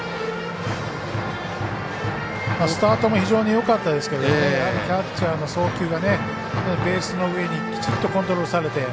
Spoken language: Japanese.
スタートも非常によかったですけどもキャッチャーの送球がベースの上にきちっとコントロールされて。